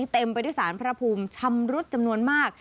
เต็มไปด้วยสารพระภูมิชำรุดจำนวนมาก